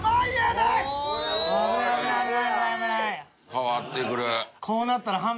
変わってくる。